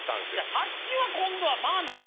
卓球は今度は間ぁないで。